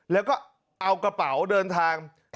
แล้วก็เอากระเป๋าเดินทาง